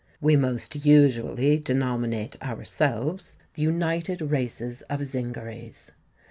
We most usually denominate ourselves the united races of Zingarees.